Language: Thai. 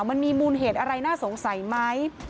มันมีมูลเหตุอะไรน่าสงสัยไหม